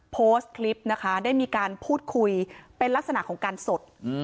โพสต์คลิปนะคะได้มีการพูดคุยเป็นลักษณะของการสด